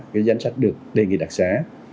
cái danh sách được đề nghị đặc sá